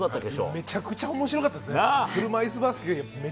めちゃくちゃおもしろかったですね。